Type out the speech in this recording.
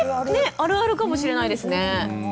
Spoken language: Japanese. あるあるかもしれないですね。